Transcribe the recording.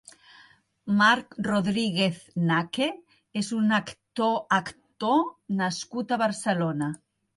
Marc Rodríguez Naque és un actor actor nascut a Barcelona.